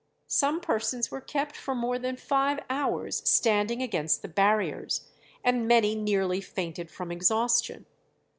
Some persons were kept for more than five hours standing against the barriers, and many nearly fainted from exhaustion.